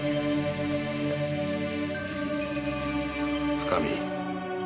深見。